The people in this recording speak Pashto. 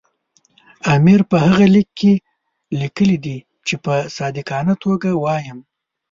امیر په هغه لیک کې لیکلي دي چې په صادقانه توګه وایم.